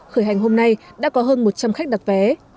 khởi hành hôm nay đã có hơn một trăm linh khách đặt vé